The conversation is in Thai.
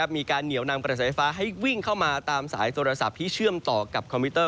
มีการเหนียวนำกระแสไฟฟ้าให้วิ่งเข้ามาตามสายโทรศัพท์ที่เชื่อมต่อกับคอมพิวเตอร์